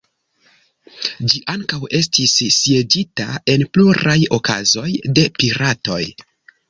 Ĝi ankaŭ estis sieĝita, en pluraj okazoj, de piratoj.